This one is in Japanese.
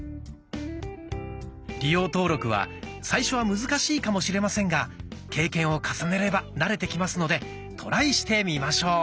利用登録は最初は難しいかもしれませんが経験を重ねれば慣れてきますのでトライしてみましょう。